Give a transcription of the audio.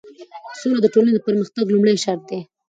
سوله د ټولنې د پرمختګ لومړی شرط دی.